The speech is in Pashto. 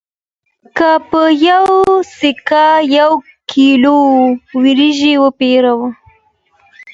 که په یوه سکه یو کیلو وریجې وپېرو